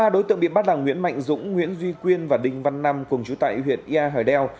ba đối tượng bị bắt là nguyễn mạnh dũng nguyễn duy quyên và đinh văn năm cùng chú tại huyện ia hở đeo